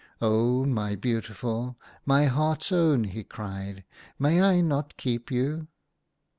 '• Oh, my beautiful, my heart's own !" he cried, "may I not keep you?"